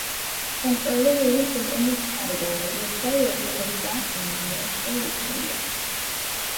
Some early releases in this category were players using flash memory as storage media.